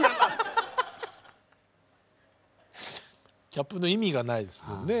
キャップの意味がないですもんね。